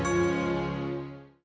dan arwah kamu